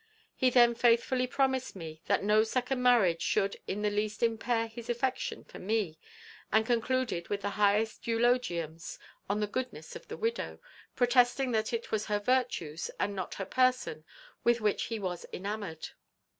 He then faithfully promised me that no second marriage should in the least impair his affection for me; and concluded with the highest eulogiums on the goodness of the widow, protesting that it was her virtues and not her person with which he was enamoured.